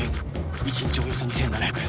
１日およそ２７００円